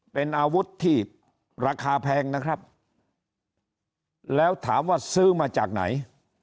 เป็นอาวุธที่ราคาแพงนะครับแล้วถามว่าซื้อมาจากไหน